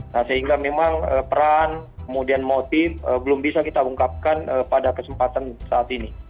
nah sehingga memang peran kemudian motif belum bisa kita ungkapkan pada kesempatan saat ini